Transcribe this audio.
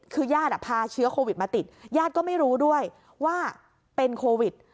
คือญาติพาเชื้อโควิดมาติดญาติก็ไม่รู้ด้วยว่าเป็นโควิด